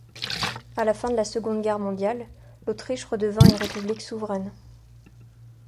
À la fin de la Seconde Guerre mondiale, l'Autriche redevient une république souveraine.